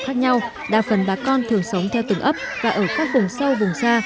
khác nhau đa phần bà con thường sống theo từng ấp và ở các vùng sâu vùng xa